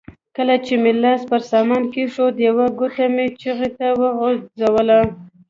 کله چې مې لاس پر سامان کېښود یوه ګوته مې څغۍ ته وغځوله.